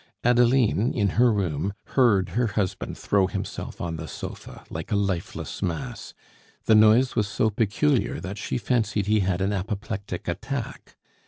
Adeline, in her room, heard her husband throw himself on the sofa, like a lifeless mass; the noise was so peculiar that she fancied he had an apoplectic attack.